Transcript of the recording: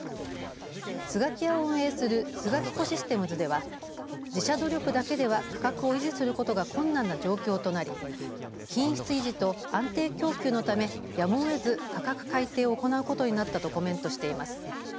スガキヤを運営するスガキコシステムズでは自社努力だけでは価格を維持することが困難な状況となり品質維持と安定供給のためやむをえず、価格改定を行うことになったとコメントしています。